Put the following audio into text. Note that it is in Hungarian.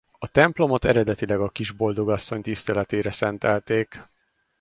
A templomot eredetileg a Kisboldogasszony tiszteletére szentelték.